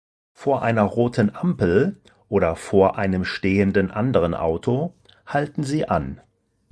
Vor einer roten Ampel oder vor einem stehenden anderen Auto halten sie an.